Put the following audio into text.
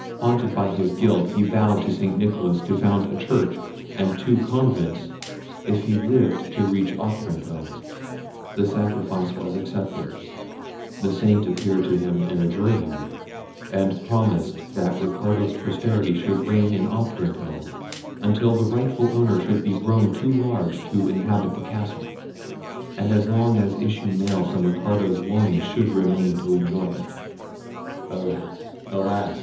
Haunted by his guilt he vowed to St. Nicholas to found a church and two convents, if he lived to reach Otranto. The sacrifice was accepted: the saint appeared to him in a dream, and promised that Ricardo's posterity should reign in Otranto until the rightful owner should be grown too large to inhabit the castle, and as long as issue male from Ricardo's loins should remain to enjoy it—alas! alas!